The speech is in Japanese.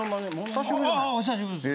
ああお久しぶりです。